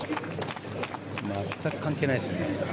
全く関係ないですね。